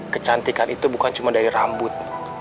kecantikan itu bukan cuma dari rambut